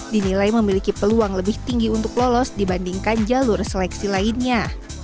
dinilai memiliki peluang lebih tinggi untuk lolos dibandingkan jalur seleksi lainnya